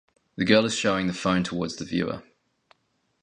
The girl is showing the phone towards the viewer.